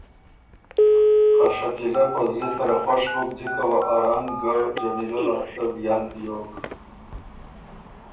خه شکیلۀ په زلی سره خوش بُک جِکه وه ا رنګ ګۀ جمیلۀ لاسته وئل بیوک